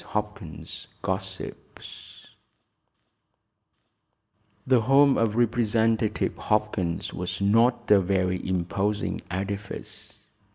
HOPKINS GOSSIPS The home of Representative Hopkins was not a very imposing edifice.